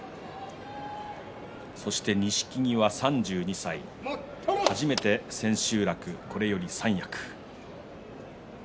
そして錦木は３２歳初めて千秋楽これより三役。